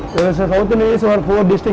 di tengah india ada empat kawasan